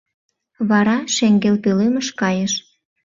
Вара шеҥгел пӧлемыш кайыш.